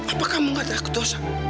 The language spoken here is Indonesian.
apa kamu tidak takut dosa